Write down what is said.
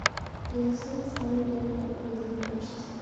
He was also the father of Cleombrotus the First.